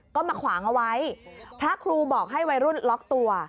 ก็มาขวางเอาไว้พระครูบอกให้วัยรุ่นล็อกตัว